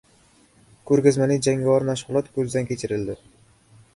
Ko‘rgazmali jangovar mashg‘ulot ko‘zdan kechirildi